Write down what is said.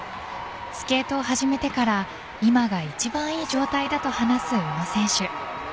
スケートを始めてから今が一番いい状態だと話す宇野選手。